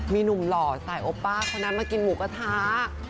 มีหนุ่มหล่อสายโอป้าคนนั้นมากินหมูกระทะ